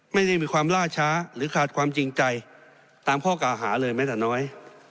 ไม่ได้มีความล่าช้าหรือขาดความจริงใจตามข้อกล่าวหาเลยแม้แต่น้อย